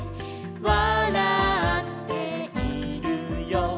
「わらっているよ」